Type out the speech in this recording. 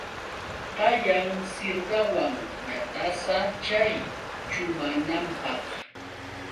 Kayan sirdawan watasa chay chumananpaq.